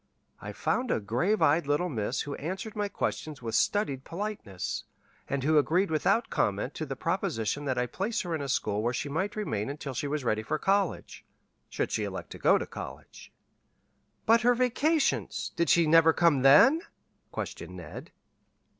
I found a grave eyed little miss who answered my questions with studied politeness, and who agreed without comment to the proposition that I place her in a school where she might remain until she was ready for college should she elect to go to college." "But her vacations did she never come then?" questioned Ned.